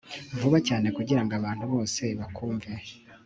Vuga cyane kugirango abantu bose bakwumve